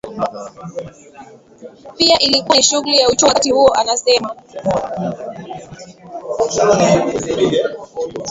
pia ilikuwa ni shughuli ya uchumi wakati huo anasema